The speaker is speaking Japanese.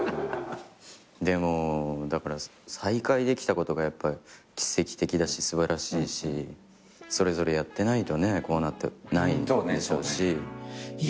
でもだから再会できたことが奇跡的だし素晴らしいしそれぞれやってないとねこうなってないでしょうし。